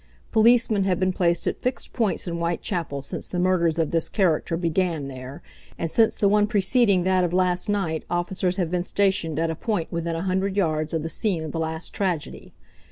Policemen have been placed at fixed points in Whitechapel since the murders of this character began there, and since the one preceding that of last night officers have been stationed at a point within a hundred yards of the scene of the last tragedy.